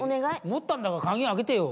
持ったんだから鍵開けてよ。